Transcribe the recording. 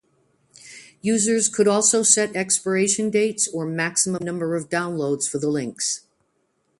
Users could also set expiration dates or maximum number of downloads for the links.